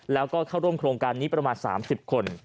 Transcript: แล้วก็เข้าร่วมโครงการนี้ประมาณ๓๐คน